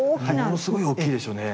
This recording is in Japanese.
ものすごい大きいでしょうね。